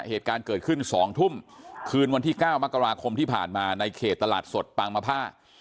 เหตุการณ์เกิดขึ้น๒ทุ่มคืนวันที่๙มกราคมที่ผ่านมาในเขตตลาดสดปางมภาค